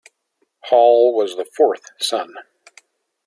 Hall was the fourth son.